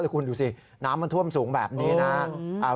คุณดูสิน้ำมันท่วมสูงแบบนี้นะครับ